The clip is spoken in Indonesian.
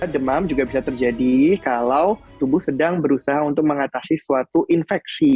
demam juga bisa terjadi kalau tubuh sedang berusaha untuk mengatasi suatu infeksi